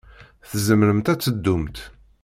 Tzemremt ad teddumt.